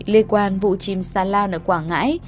lê quang vụ chim xa lao nở quảng ngãi